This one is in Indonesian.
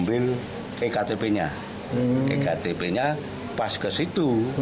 mbah urip mengambil iktp nya iktp nya pas ke situ